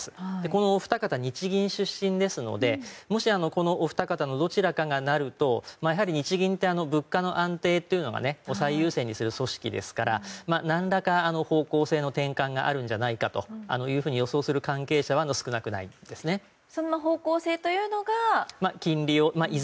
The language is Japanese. このお二方、日銀出身ですのでもし、このお二方のどちらかがなるとやはり日銀って物価の安定を最優先にする組織ですから何らかの方向の転換があるんじゃないかと予想する関係はその方向性というのが。